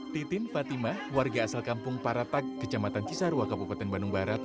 titin fatimah warga asal kampung paratak kecamatan cisarua kabupaten bandung barat